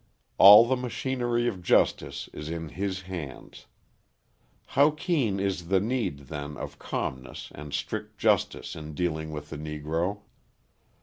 All the machinery of justice is in his hands. How keen is the need, then, of calmness and strict justice in dealing with the Negro!